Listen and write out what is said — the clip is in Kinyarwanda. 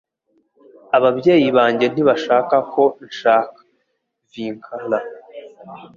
Ababyeyi banjye ntibashaka ko nshaka. (vinkara)